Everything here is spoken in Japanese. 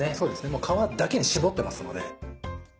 もう皮だけに絞ってますので。